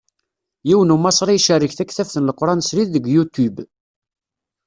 Yiwen Umaṣri icerreg taktabt n Leqran srid deg Youtube.